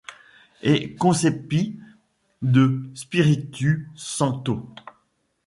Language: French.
Et concepit de Spiritu Sancto.